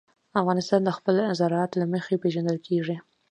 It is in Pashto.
افغانستان د خپل زراعت له مخې پېژندل کېږي.